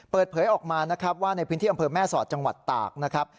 เปิดเผยออกมานะครับว่าในพื้นที่อำเภอแม่สอดจังหวัดตากนะครับ